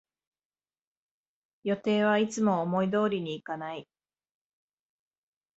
予定はいつも思い通りにいかない